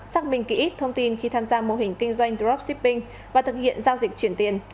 xác minh kỹ ít thông tin khi tham gia mô hình kinh doanh dropshipping và thực hiện giao dịch chuyển tiền